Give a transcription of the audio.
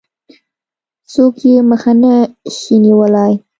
څوک يې مخه نه شي نيولای.